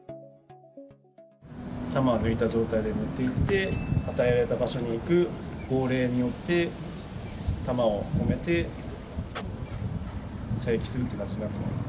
弾を抜いた状態で持っていって、与えられた場所に置く、号令によって弾を込めて射撃するという感じになってます。